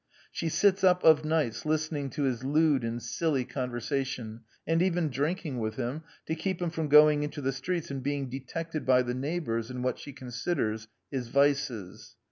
She sits up of nights listen ing to his lewd and silly conversation, and even drinking with him, to keep him from going into the streets and being detected by the neighbors in what she considers his vices.